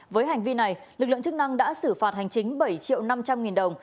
với hành vi này lực lượng chức năng đã xử phạt hành chính bảy triệu năm trăm linh nghìn đồng